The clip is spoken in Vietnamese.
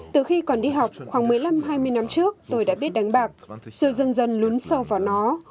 từ khi còn đi học khoảng một mươi năm hai mươi năm trước tôi đã biết đánh bạc rồi dần dần lún sâu vào nó